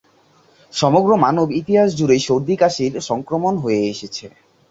সমগ্র মানব ইতিহাস জুড়েই সর্দি-কাশির সংক্রমণ হয়ে এসেছে।